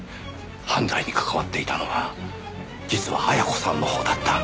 犯罪に関わっていたのは実は絢子さんのほうだった。